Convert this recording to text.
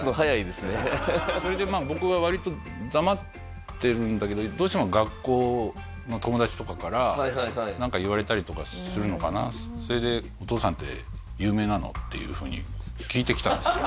それでまあ僕は割と黙ってるんだけどどうしても学校の友達とかから何か言われたりとかするのかなっていうふうに聞いてきたんですよ